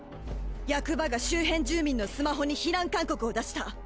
役場が周辺住民のスマホに避難勧告を出した。